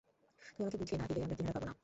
তুমি আমাকে বুঝিয়ে না দিলে আমি কিনারা পাব না।